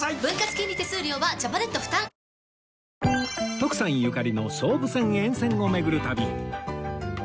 徳さんゆかりの総武線沿線を巡る旅